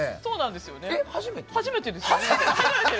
初めてです。